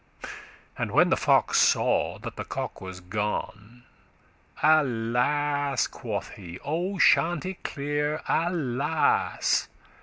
And when the fox saw that the cock was gone, "Alas!" quoth he, "O Chanticleer, alas!